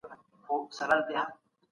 نارینه او ښځه یو بل ته سخته اړتیا لري.